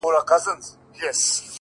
د حالاتو سترگي سرې دې له خماره-